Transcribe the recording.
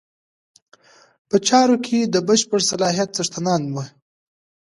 په چارو کې د بشپړ صلاحیت څښتنان وي.